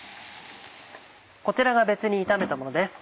こちらが別に炒めたものです。